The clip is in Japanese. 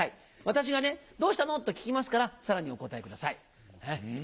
私が「どうしたの？」と聞きますからさらにお答えください。